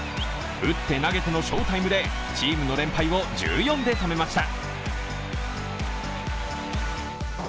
打って投げての翔タイムでチームの連敗を１４で止めました。